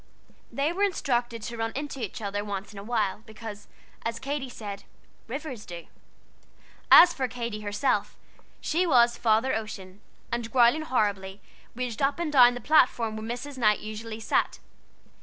They were instructed to run into each other once in a while, because, as Katy said, "rivers do." As for Katy herself, she was "Father Ocean," and, growling horribly, raged up and down the platform where Mrs. Knight usually sat.